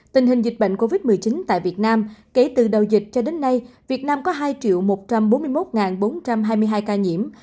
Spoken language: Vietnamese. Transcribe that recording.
tình hình dịch bệnh covid một mươi chín tại việt nam kể từ đầu dịch cho đến nay việt nam có hai một trăm bốn mươi một bốn trăm hai mươi hai ca nhiễm